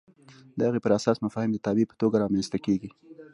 د هغې پر اساس مفاهیم د تابع په توګه رامنځته کېږي.